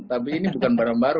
tapi ini bukan barang baru